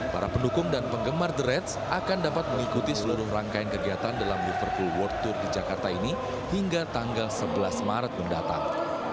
para pendukung dan penggemar the reds akan dapat mengikuti seluruh rangkaian kegiatan dalam liverpool world tour di jakarta ini hingga tanggal sebelas maret mendatang